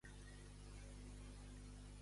Què remembra el protagonista?